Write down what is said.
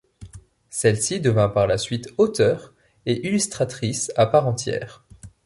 Celle-ci devint par la suite auteur et illustratrice à part entière.